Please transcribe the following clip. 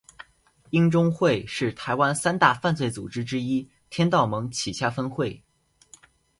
鹰中会是台湾三大犯罪组织之一天道盟旗下分会。